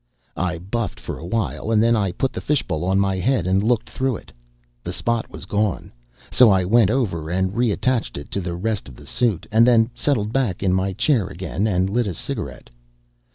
I buffed for a while, and then I put the fishbowl on my head and looked through it. The spot was gone, so I went over and reattached it to the rest of the suit, and then settled back in my chair again and lit a cigarette.